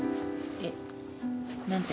えっ？何て？